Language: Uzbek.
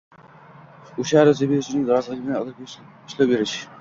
o‘sha ariza beruvchining roziligi bilan ularga ishlov berish